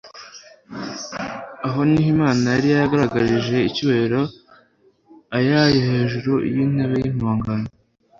Aho ni ho Imana yari yaragaragarije icyubahiro eyayo hejuni y'intebe y'impongano.